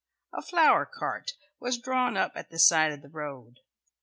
A flower cart was drawn up at the side of the road.